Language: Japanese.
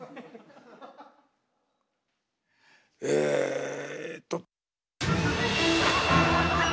えっと。